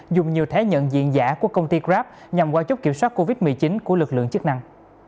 dùng nhiều thẻ nhận diện giả của công ty grab nhằm qua chốt kiểm soát covid một mươi chín của lực lượng chức năng